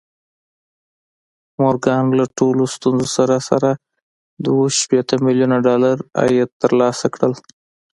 مورګان له ټولو ستونزو سره سره دوه شپېته ميليونه ډالر عايد ترلاسه کړ.